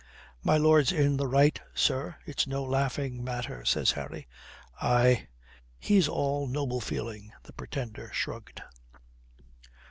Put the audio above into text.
"My lord's in the right, sir. It's no laughing matter," says Harry. "Aye, he's all noble feeling," the Pretender shrugged.